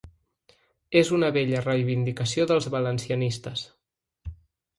És una vella reivindicació dels valencianistes.